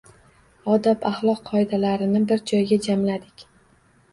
Od`ob-axloq qoidalarini bir joyga jamladik